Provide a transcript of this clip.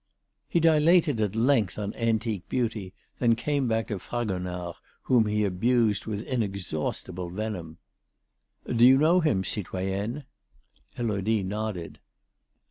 He dilated at length on antique beauty, then came back to Fragonard, whom he abused with inexhaustible venom: "Do you know him, citoyenne?" Élodie nodded.